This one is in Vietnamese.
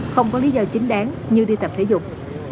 không có lý do chính đáng như đi tập thể dục